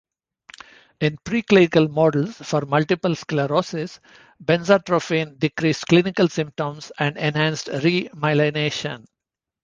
In preclinical models for multiple sclerosis, benzatropine decreased clinical symptoms and enhanced re-myelination.